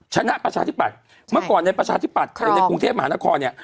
ชนะประชาธิปัตย์เมื่อก่อนในประชาธิปัตย์ในกรุงเทพมหานครเนี่ย